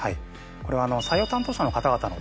これは採用担当者の方々のですね